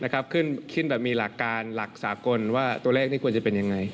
ขึ้นแบบมีหลักการหลักสากลว่าตัวเลขนี้ควรจะเป็นยังไง